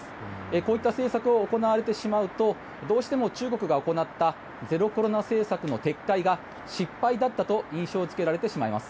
こういった政策を行われてしまうとどうしても、中国が行ったゼロコロナ政策の撤廃が失敗だったと印象付けられてしまいます。